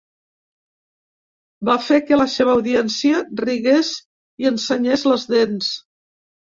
Va fer que la seva audiència rigués i ensenyés les dents.